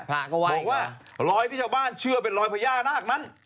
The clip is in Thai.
บอกว่ารอยที่ชาวบ้านเชื่อเป็นรอยพญานาคนั้น